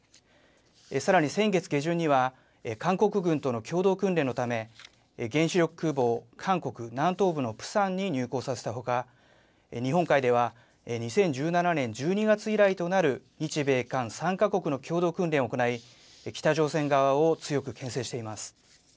さらに先月下旬には、韓国軍との共同訓練のため、原子力空母を韓国南東部のプサンに入港させたほか、日本海では２０１７年１２月以来となる、日米韓３か国の共同訓練を行い、北朝鮮側を強くけん制しています。